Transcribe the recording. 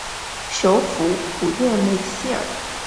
首府普热梅希尔。